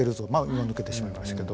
今抜けてしまいましたけど。